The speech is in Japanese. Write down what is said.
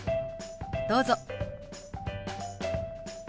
どうぞ。